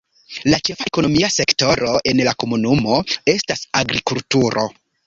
La ĉefa ekonomia sektoro en la komunumo estas agrikulturo.